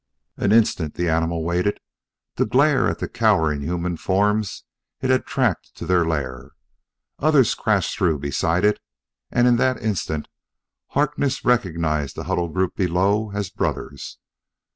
An instant the animal waited, to glare at the cowering human forms it had tracked to their lair; others crashed through beside it; and in that instant Harkness recognized the huddled group below as brothers.